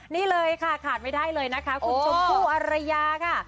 นี่เลยค่ะขาดไม่ได้เลยนะคะคุณชมพู่อรยาค่ะ